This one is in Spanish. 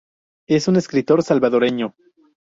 Es un escritor salvadoreño.